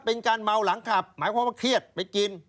เป็นการเมาหลังขับหมายความว่าเครียดไปกิน